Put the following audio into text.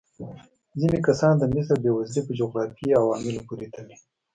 ځینې کسان د مصر بېوزلي په جغرافیايي عواملو پورې تړي.